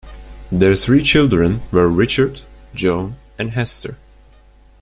Their three children were Richard, Joan, and Hester.